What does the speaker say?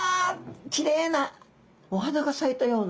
きれいなお花が咲いたような。